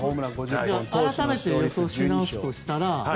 改めて予想し直すとしたら？